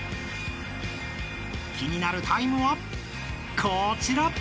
［気になるタイムはこちら！］